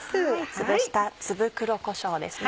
つぶした粒黒こしょうですね。